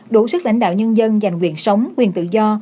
đủ sức lãnh đạo nhân dân dành quyền sống quyền tự do